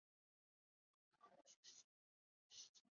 他因娶了一位奥斯曼公主而成为了奥斯曼王朝的驸马。